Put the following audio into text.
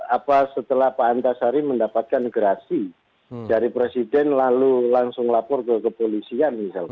apa setelah pak antasari mendapatkan gerasi dari presiden lalu langsung lapor ke kepolisian misalkan